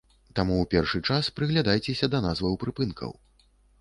Таму ў першы час прыглядайцеся да назваў прыпынкаў.